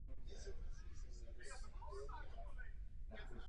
Celek Ottawa Senators se nakonec zúčastnil o sezonu později.